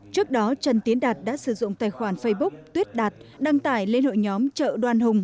trước đó trần tiến đạt đã sử dụng tài khoản facebook tuyết đạt đăng tải lên hội nhóm trợ đoan hùng